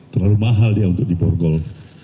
terlalu mahal dia untuk diborgol